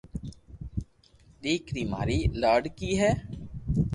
ديڪري ماري لاڌڪي ھي